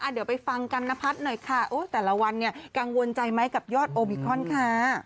เดี๋ยวไปฟังกันนพัฒน์หน่อยค่ะแต่ละวันเนี่ยกังวลใจไหมกับยอดโอมิครอนค่ะ